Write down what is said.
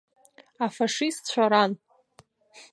Афашистцәа ран.